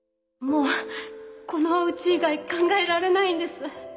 もうこのうち以外考えられないんです。